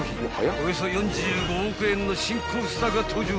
およそ４５億円の新コースターが登場！